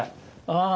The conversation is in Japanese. ああ